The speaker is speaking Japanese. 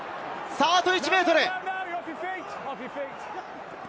あと１ｍ！